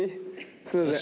すいません。